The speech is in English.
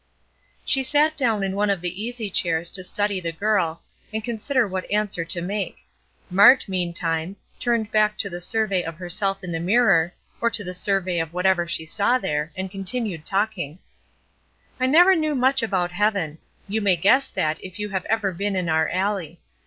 She sat down in one of the easy chairs to study the girl, and consider what answer to make. Mart, meantime, turned back to the survey of herself in the mirror, or to the survey of whatever she saw there, and continued talking: "I never knew much about heaven. You may guess that, if you have ever been in our alley.